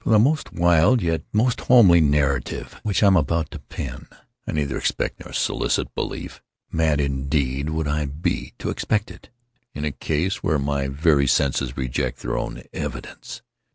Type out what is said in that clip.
For the most wild, yet most homely narrative which I am about to pen, I neither expect nor solicit belief. Mad indeed would I be to expect it, in a case where my very senses reject their own evidence.